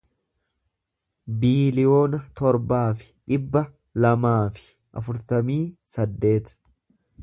biiliyoona torbaa fi dhibba lamaa fi afurtamii saddeet